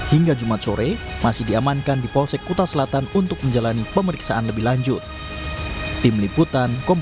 hingga jumat sore masih diamankan di polsek kuta selatan untuk menjalani pemeriksaan lebih lanjut